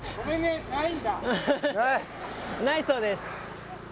ないないそうです